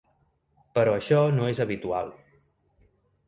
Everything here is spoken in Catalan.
Però això no és habitual.